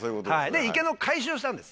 で池の改修をしたんです